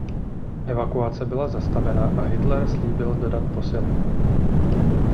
Evakuace byla zastavena a Hitler slíbil dodat posily.